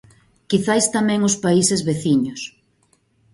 Quizais tamén os países veciños.